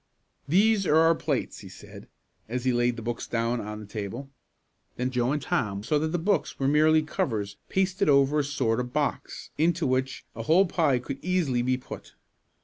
"There are our plates," he said as he laid the books down on the table. Then Joe and Tom saw that the books were merely covers pasted over a sort of box into which a whole pie could easily be put.